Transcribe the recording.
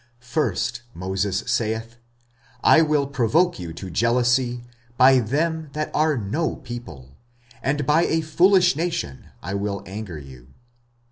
First Moses saith, I will provoke you to jealousy by them that are no people, and by a foolish nation I will anger you.